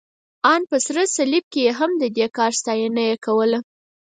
ان په سره صلیب کې هم، د دې کار ستاینه یې کوله.